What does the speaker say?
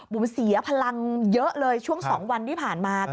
เสียพลังเยอะเลยช่วง๒วันที่ผ่านมา